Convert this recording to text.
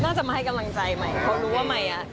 น่าจะมาให้กำลังใจใหม่เพราะรู้ว่าไม่